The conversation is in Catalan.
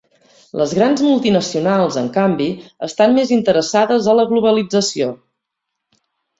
Les grans multinacionals en canvi estan més interessades a la globalització.